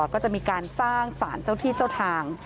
ก็จะมีการสร้างสารเจ้าที่เจ้าทาง